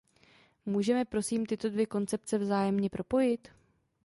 Můžeme prosím tyto dvě koncepce vzájemně propojit?